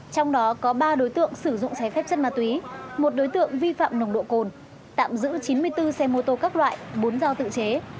trong đó có ba đối tượng sử dụng trái phép chất ma túy một đối tượng vi phạm nồng độ cồn tạm giữ chín mươi bốn xe mô tô các loại bốn dao tự chế